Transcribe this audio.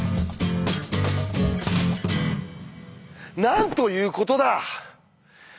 なんということだ！